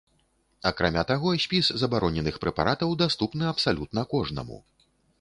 Акрамя таго, спіс забароненых прэпаратаў даступны абсалютна кожнаму.